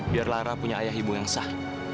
biar lara punya ayah ibu yang sah